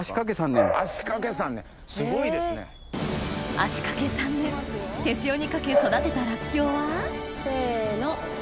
足掛け３年手塩にかけ育てたラッキョウはせの！